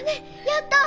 やった！